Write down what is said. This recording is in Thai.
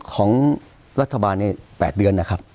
ของรัฐบาลใน๘เดือนนะครับ